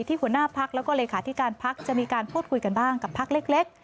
ที่หัวหน้าพักร์และเกรกฑาคจะมีการพูดคุยกันบ้างกับพักร์เล็ก